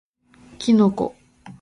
Kinogo